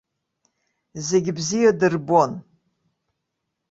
Зегьы бзиа дырбон.